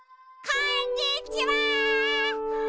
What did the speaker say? こんにちは！